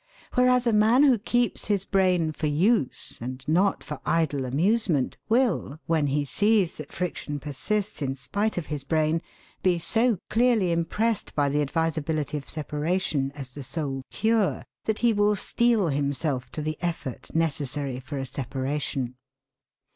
Whereas a man who keeps his brain for use and not for idle amusement will, when he sees that friction persists in spite of his brain, be so clearly impressed by the advisability of separation as the sole cure that he will steel himself to the effort necessary for a separation.